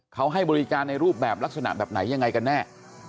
เขาให้บริการในรูปแบบลักษณะแบบไหนยังไงกันแน่